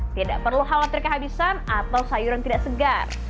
tidak perlu halat terkehabisan atau sayuran tidak segar